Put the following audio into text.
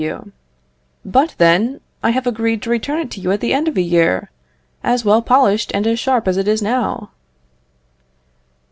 W. But, then, I have agreed to return it to you at the end of a year, as well polished and as sharp as it is now.